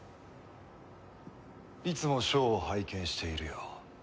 いつもショーを拝見しているよ。